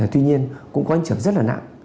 tuy nhiên cũng có những trường rất là nặng